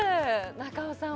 中尾さん